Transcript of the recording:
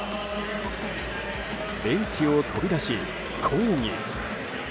ベンチを飛び出し、抗議。